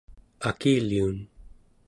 akiliun